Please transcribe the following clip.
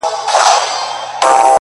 فکر مي وران دی حافظه مي ورانه ؛